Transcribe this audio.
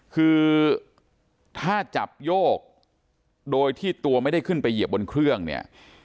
คือถ้าจับโยกโดยที่ตัวไม่ได้ขึ้นไปเหยียบบนเครื่องเนี่ย